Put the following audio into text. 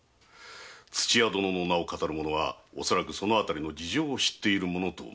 土屋殿の名を騙る者は恐らくそのあたりの事情を知っているものと思われますが。